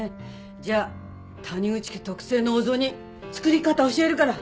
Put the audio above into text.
じゃあ谷口家特製のお雑煮作り方教えるから。